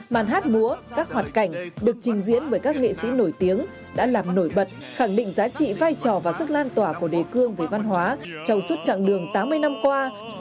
màn hát múa các hoạt cảnh được trình diễn bởi các nghệ sĩ nổi tiếng đã làm nổi bật khẳng định giá trị vai trò và sức lan tỏa của đề cương về văn hóa trong suốt chặng đường tám mươi năm qua